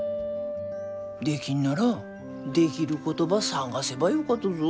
できんならできることば探せばよかとぞ。